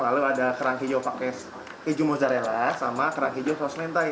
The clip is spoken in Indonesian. lalu ada kerang hijau pakai keju mozzarella sama kerang hijau saus mentai